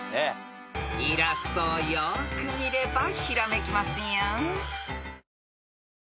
［イラストをよく見ればひらめきますよ］